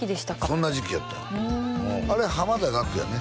そんな時期やったあれ濱田岳やね？